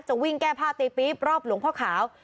วิ่งแก้ผ้าตีปี๊บรอบหลวงพ่อขาว